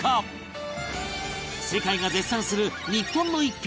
世界が絶賛する日本の逸品